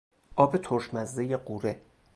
آب ترشمزهی غوره